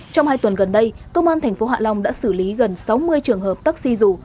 trong hai tuần gần đây công an tp hạ long đã xử lý gần sáu mươi trường hợp taxi dù